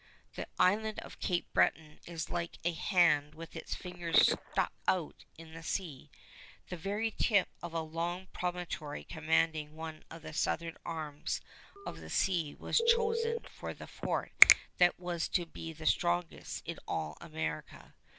The Island of Cape Breton is like a hand with its fingers stuck out in the sea. The very tip of a long promontory commanding one of the southern arms of the sea was chosen for the fort that was to be the strongest in all America.